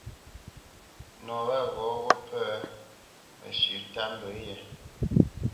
Nɔ wâ ghɔ̂ wo pə̂ məshʉ̌ tât mbə yé.